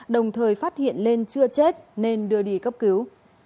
đồng thời phát hiện lên chưa chết nên đưa đi cấp cứu